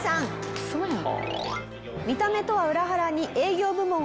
ウソやん。